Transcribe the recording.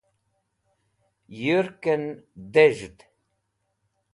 yurk'en dez̃hd